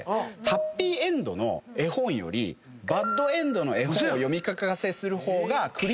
ハッピーエンドの絵本よりバッドエンドの絵本を読み聞かせする方が。